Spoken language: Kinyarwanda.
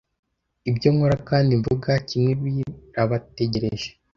Ibyo nkora kandi mvuga kimwe birabategereje,